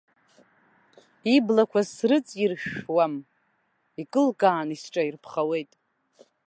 Иблақәа срыҵиршәауам, икылкааны исҿаирԥхауеит.